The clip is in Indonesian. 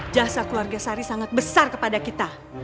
jasa keluarga sari sangat besar kepada kita